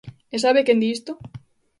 ¿E sabe quen di isto?